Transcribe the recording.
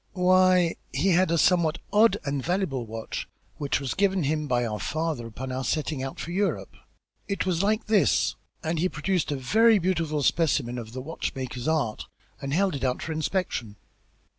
"Why, he had a somewhat odd and valuable watch, which was given him by our father upon our setting out for Europe. It was like this," and he produced a very beautiful specimen of the watchmaker's art, and held it out for inspection.